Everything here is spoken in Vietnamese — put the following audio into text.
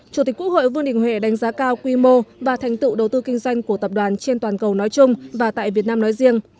chủ tịch quốc hội vương đình huệ đánh giá cao quy mô và thành tựu đầu tư kinh doanh của tập đoàn trên toàn cầu nói chung và tại việt nam nói riêng